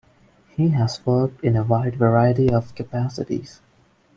He has worked in a wide variety of capacities.